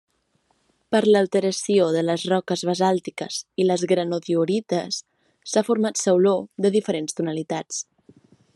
Per l'alteració de les roques basàltiques i les granodiorites s'ha format sauló de diferents tonalitats.